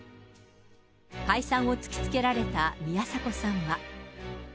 解散を突きつけられた宮迫さんは。